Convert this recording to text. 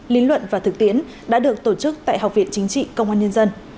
lý luận và thực tiễn đã được tổ chức tại học viện chính trị công an nhân dân